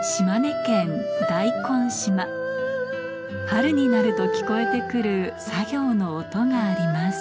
春になると聞こえて来る作業の音があります